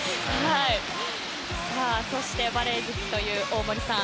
そしてバレー好きという大森さん